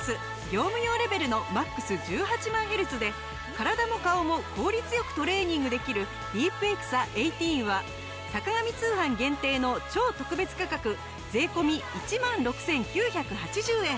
業務用レベルのマックス１８万ヘルツで体も顔も効率良くトレーニングできるディープエクサ１８は『坂上通販』限定の超特別価格税込１万６９８０円。